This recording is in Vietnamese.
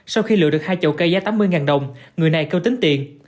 sau khi lựa được hai chậu cây giá tám mươi đồng người này cơ tính tiền